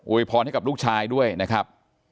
พรให้กับลูกชายด้วยนะครับ